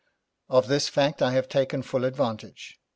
Of this fact I have taken full advantage.